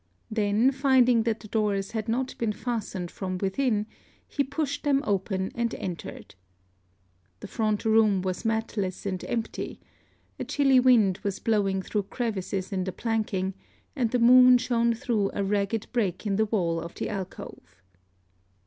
Then, finding that the doors had not been fastened from within, he pushed them open, and entered. The front room was matless and empty: a chilly wind was blowing through crevices in the planking; and the moon shone through a ragged break in the wall of the alcove.